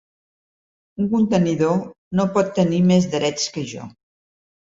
Un contenidor no pot tenir més drets que jo.